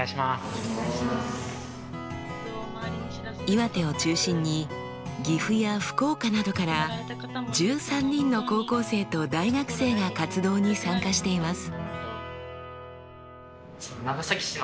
岩手を中心に岐阜や福岡などから１３人の高校生と大学生が活動に参加しています。